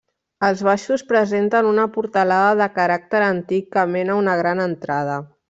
Els baixos presenten una portalada de caràcter antic que mena a una gran entrada.